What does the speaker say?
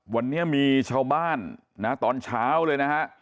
วันนี้มีชาวบ้านนะตอนเช้าเลยนะฮะ